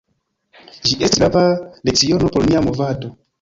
Ĝi estis grava leciono por nia movado.